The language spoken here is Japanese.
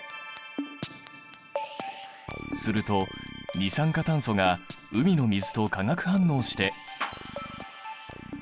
すると二酸化炭素が海の水と化学反応して。